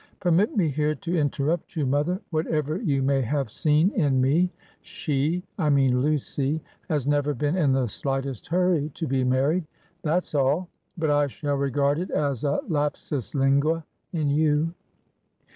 "Permit me here to interrupt you, mother. Whatever you may have seen in me; she, I mean Lucy, has never been in the slightest hurry to be married; that's all. But I shall regard it as a lapsus lingua in you."